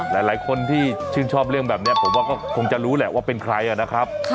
หลายคนที่ชื่นชอบเรื่องแบบนี้ผมว่าก็คงจะรู้แหละว่าเป็นใครนะครับ